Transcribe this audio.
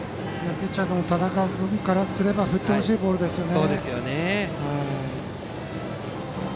ピッチャーの田中君からすれば振ってほしいボールですよね。